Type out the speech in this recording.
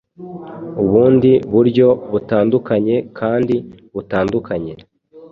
Ubundi buryo butandukanye kandi butandukanye